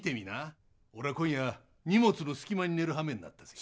俺は今夜荷物のすき間に寝るはめになったぜ。